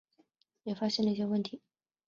也发现一些问题